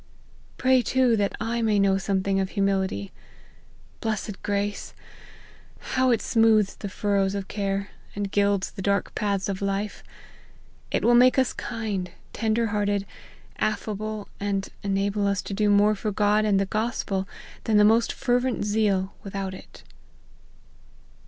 Pray, too, that I may know something of humility. Blessed grace ! how it smooths the furrows of care, and gilds the dark paths of life ! It will make us kind, tender hearted, Affable, and enable us to do more for God and the gospel, than the most fervent zeal without it."